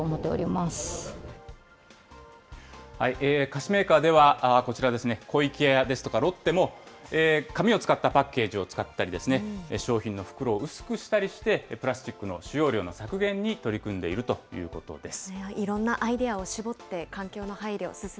菓子メーカーでは、こちらですね、湖池屋ですとかロッテも、紙を使ったパッケージを使ったり、商品の袋を薄くしたりして、プラスチックの使用量の削減に取り組んでいるということです。